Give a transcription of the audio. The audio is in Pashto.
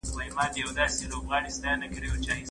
کورنۍ باید سم معلومات ولري.